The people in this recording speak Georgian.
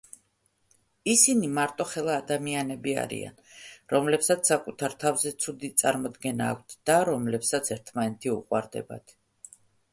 ისინი მარტოხელა ადამიანები არიან, რომლებსაც საკუთარ თავზე ცუდი წარმოდგენა აქვთ და რომლებსაც ერთმანეთი უყვარდებათ.